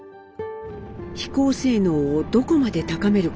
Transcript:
飛行性能をどこまで高めることができるか。